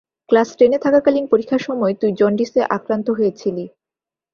Class টেনে থাকাকালীন পরীক্ষার সময় তুই জন্ডিসে আক্রান্ত হয়েছিলি।